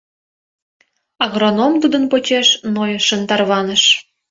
Агроном тудын почеш нойышын тарваныш.